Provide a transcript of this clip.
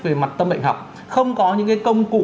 về mặt tâm bệnh học không có những cái công cụ